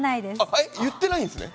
え言ってないんですね！